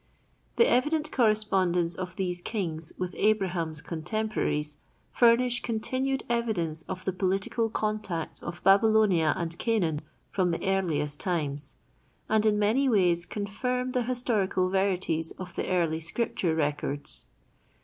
The evident correspondence of these kings with Abraham's contemporaries, furnish continued evidence of the political contacts of Babylonia and Canaan from the earliest times, and in many ways confirm the historical verities of the early scripture records.